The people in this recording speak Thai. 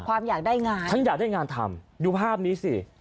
ความยังได้งานฉันอยากได้งานทำอยู่ภาพนี้สิ